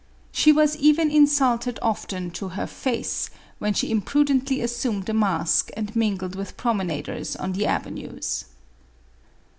She was even insulted often to her face, J MARIE ANTOINETTE. 461 when she imprudently assumed a mask and mingled with proraenaders on the avenues.